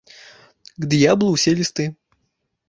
К д'яблу ўсе лісты!